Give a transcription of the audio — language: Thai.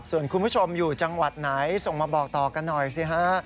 ส่วนคุณผู้ชมอยู่จังหวัดไหนส่งมาบอกต่อกันหน่อยสิฮะ